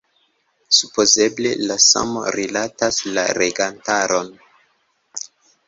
Supozeble la samo rilatas la legantaron.